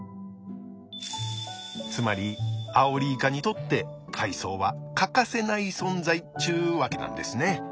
つまりアオリイカにとって海藻は欠かせない存在っちゅうわけなんですね。